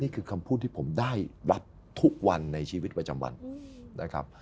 คำพูดที่ผมได้รับทุกวันในชีวิตประจำวันนะครับ